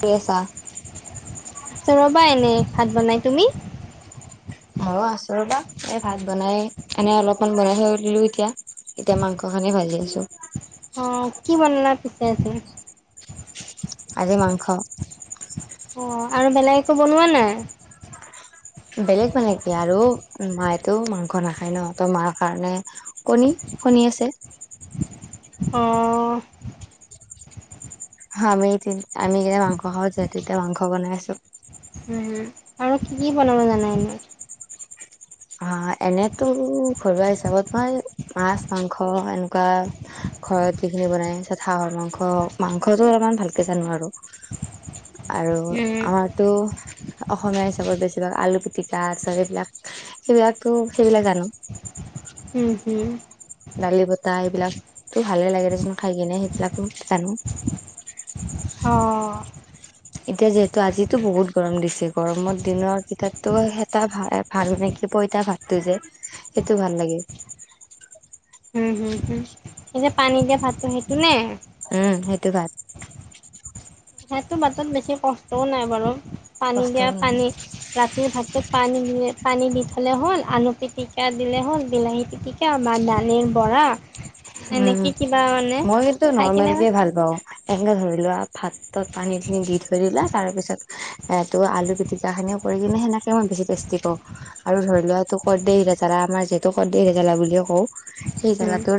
পেছা ৰ'বা এনে ভাত বনাই। তুমি? অ আছো ৰবা এই ভাত বনাই এনে অলপমান বনাই থৈ দিলো এতিয়া এতিয়া মাংস খানি ভাজি আছো। অঁ কি বনলা পিছে আজি? আজি মাংস। অ আৰু বেলেগ একো বনোৱা নাই? বেলেগ মানে কি আৰু মায়েতো মাংস নাখায় ন ত মাৰ কাৰণে কণী শুনি আছে। অ। আমিতি আমি যেতিয়া মাংস খাওঁ যে এতিয়া মাংস বনাই আছো। উ আৰু কি কি বনাব জানা এনেই? অ এনেতো ঘৰুৱা হিচাপত মই মাছ মাংস এনেকোৱা ঘৰত যিখিনি বনাই তাছত হাঁহৰ মাংস মাংসটো অলপমান ভালকে জানো আৰু [inaudible] আৰু আমাৰতো অসমীয়া হিচাপত বেছিভাগ আলু পিটিকা চব সেইবিলাক। সেইবিলাকতো সেইবিলাক জানো উম হুম দালি বতাহ এইবিলাকতো ভালে লাগে দেচোন খাই কিনে সেইবিলাকো জানো অঁ এতিয়া যিহেতু আজিতো বহুত গৰম দিছে গৰমত দিনৰ কিতাপতো এটা ভ ভাল মানে কি পইতা ভাতটো যে সেইটো ভাল লাগে [unintelligible] এ যে পানী দিয়া ভাততো সেইটো নে উম সেইটো ভাত সিহতটো ভাত বেছি কষ্টও নাই বাৰু পানী দিয়া কষ্টও নাই পানী ৰাতিৰ ভাতটোত পানী পানী দি থ'লে হ'ল আলু পিটিকা দিলে হ'ল বিলাহী পিটিকা বা দালিৰ বৰা উম এনেকৈ কিবা মানে মই কিন্তু খাই নৰ্মেল কিনে কে ভাল পাও এনেকে ধৰি লোৱা ভাতত পানী খিনি দি থৈ দিলা তাৰ পিছত এ ত আলু পিতিকা খিনিও কৰি কিনি সেনেকে তাকে মই বেছি টেষ্টি কওঁ আৰু ধৰি লোৱা এইটো কৰ্দে হিৰাতালা আমাৰ যিহেতু কৰ্দে হৰাতালা বুলি কওঁ সেই গল উম তোৰ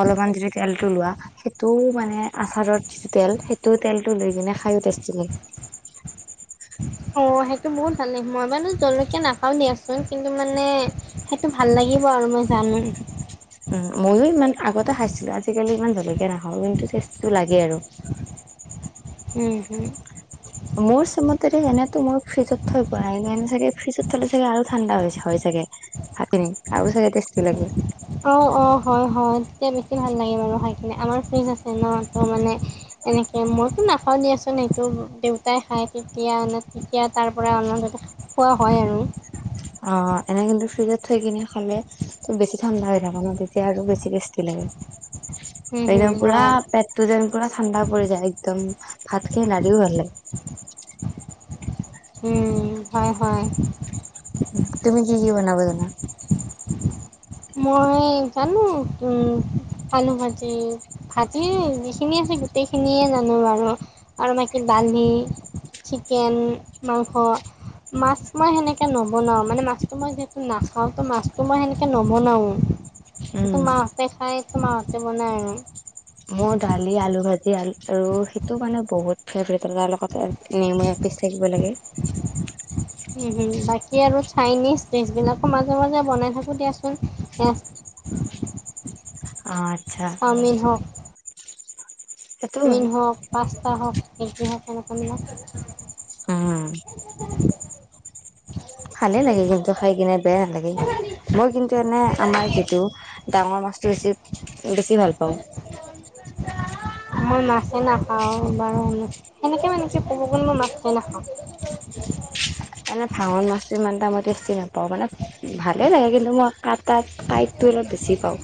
অলপমান যদি তেলটো লোৱা সেইটো মানে আচাৰত যিটো তেল সেইটো তেলটো লৈ কিনে খাইয়ো ফেষ্টিভেল [unintelligible] অ সেইটো বহুত ভাল লাগে মই মানে জলকীয়া নাখাও দিয়াচোন কিন্তু মানে সেইটো ভাল লাগে কি বাৰু মই জানো উম ময়ো ইমান আগতে খাইছিলো আজিকালি ইমান জলকীয়া নাখাওঁ কিন্তু তেষ্টটো লাগে আৰু উম হম মোৰ চমতেৰে এনেতো মই ফ্ৰিজত থৈ পোৱা নাই এনে চাগে ফ্ৰিজত থলে চাগে আৰু ঠাণ্ডা হৈ যাই ভাভখিনি আৰু চাগে টেষ্টি লাগে অ অ হয় হয় তেতিয়া বেছি ভাল লাগে বাৰু খাই কিনে আমাৰ ফ্ৰীজ আছে ন ত মানে এনেকে মইতো নাখাওঁ দিয়াচোন সেইটো দেউতাই খাই তেতিয়া তেতিয়া তাৰ পৰা অনা কোৱা হয় আৰু অ এনে কিন্তু ফ্ৰিজত থৈ কিনে খালে বেছি ঠাণ্ডা হৈ থাকে ন তেতিয়া আৰু বেছি টেষ্টি লাগে উম, হম, একদম পুৰা হয়। পেটতো যেন পুৰা ঠাণ্ডা পৰি যায় একদম ভাত খিনী লাগিও ভাল লাগে। হুম হয় হয়। অ মই জানো উম আলু ভাজি ভাজি যিখিনি আছে গোটেই খিনিয়ে জানো বাৰু আৰু বাকী দালি চিকেন মাংস। মাছ মই সেনেকে নবনাও মানে মাছটো মই যিহেতু নাখাও ত মাছতো মই সেনেকে। নবনাও, এইটো উম মাহঁতে খাই এইটো মাহঁতে বনাই আৰু। মই দালি আলু ভাজিল আৰু সেইটো মানে বহুত ফেভট। তাৰ লগতে নেমু অপিচ থাকিব লাগে। উমম, বাকী আৰু চাইনিজ ডিচ বিলাকো মাজে মাজে বনাই থাকো দিয়াচোন। [inaudible] অঁ। চাউমিন হওক। সেইটো চাওমিন হয় হওক পা। উম [unintelligible] ভালে লাগে কিন্তু খাই কিনে বেয়া নালাগে মই কিন্তু এনে আমাৰ যিটো ডাঙৰ মাছ বেছি বেছি ভাল পাওঁ মই মাছেই নাখাওঁ বাৰু সেনেকে মানে কি কব গলে মই মাছেই নাখাওঁ। [unintelligible] এনে ভাঙন মাছ ইমান এটা মই টেষ্টি নাপাওঁ মানে ভালে লাগে কিন্তু মই কাট কাট কাইটটো অলপ বেছি পাওঁ।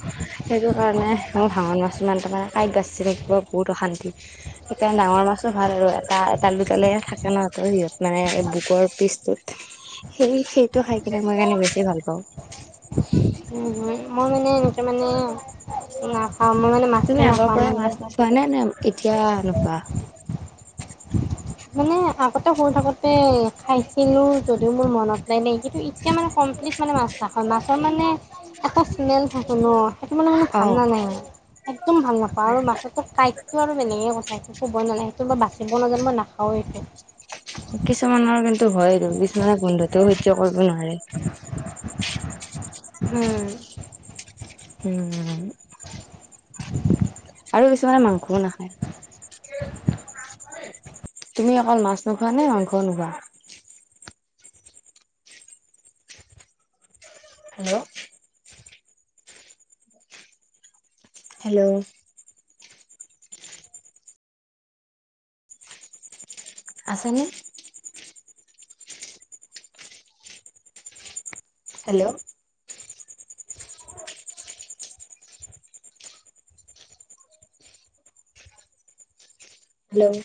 সেইটো কাৰণে মোৰ ভাউনা মাছ সিমান তাৰমানে কাঁইট বাচি থাকিব বহুত অশান্তি সেইকাৰণে ডাঙৰ মাছো ভাল আৰু এটা এডাল দুডালে থাকে ন তো সিহত মানে এই বুকৰ পিছ সেই সেইটো খাই কিনে মই কাৰণে বেছি ভাল পাওঁ। উম মই মানে এনেকে মানে না- তুমি আগৰ পৰাই মাছ নাখোৱা নে? নে এতিয়া নোখোৱা। মানে আগতে সুৰ থাকোতে খাইছিলো যদিও মোৰ মনত নাই নাই কিন্তু এতিয়া মানে কম। কমপ্লিট মানে মাছ নাখাও, মাছৰ মানে এটা স্মেল থাকে ন। থাক মানে মানে ভাল অ'। ন নাই একদম ভাল নাপাওঁ আৰু মাছো কাই। সটো আৰু মেনে কথা সেইটো ক'বই নালাগ সেইটো মই বাচিব নাজন মই নাখাও এইটো। কিছুমানৰ কিন্তু হয়য় দ কিছুমানে গোন্ধুতও সহ্যৰ কৰিব নোৱাৰে। হম উম [inaudible] আৰু বেছিভাগে মাংসও নাখায়। তুমি অকল মাছ নোখোৱা নে মাংস নোখোৱা? হেল্ল হেল্ল' আছে নে? Hello hello